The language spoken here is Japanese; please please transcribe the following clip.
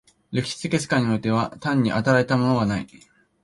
歴史的世界においては単に与えられたものはない。